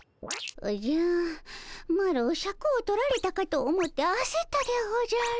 おじゃマロシャクを取られたかと思ってあせったでおじゃる。